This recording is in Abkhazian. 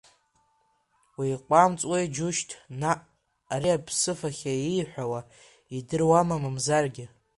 Уиҟәамҵуеи, џьушьҭ наҟ, ари аԥсыфахьа ииҳәауа идыруама мамзаргьы…